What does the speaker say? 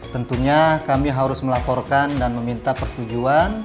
tentunya kami harus melaporkan dan meminta persetujuan